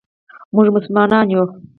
مونږ مسلمانان یو.